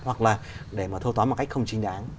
hoặc là để mà thâu tóm một cách không chính đáng